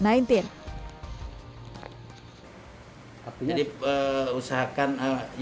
tidak ada usaha untuk mencari penanggulangan bencana daerah bpbd jember